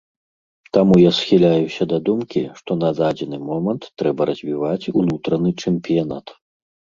Таму я схіляюся да думкі, што на дадзены момант трэба развіваць унутраны чэмпіянат.